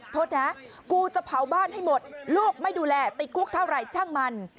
โทษนะกูจะเผาบ้านให้หมดลูกไม่ดูแลติดคุกเท่าไหร่ช่างมัน